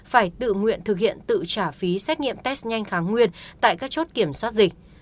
phải tự nguyện thực hiện tự trả phí xét nghiệm test nhanh kháng nguyên tại các chốt kiểm soát dịch